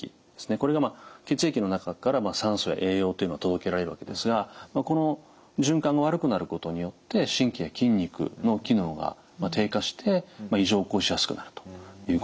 これが血液の中から酸素や栄養というのが届けられるわけですがこの循環が悪くなることによって神経や筋肉の機能が低下して異常を起こしやすくなるということですね。